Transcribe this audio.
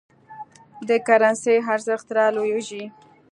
د کرنسۍ ارزښت رالویږي.